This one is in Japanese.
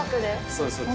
そうです。